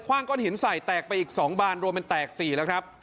ว่างก้อนหินใส่แตกไปอีก๒บานรวมเป็นแตก๔แล้วครับ